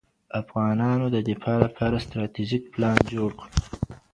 افغانانو د دفاع لپاره ستراتیژیک پلان جوړ کړ.